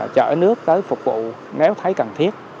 chở nước tới phục vụ nếu thấy cần thiết